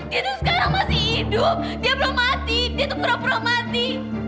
dia tuh sekarang masih hidup dia belum mati dia itu pura pura mati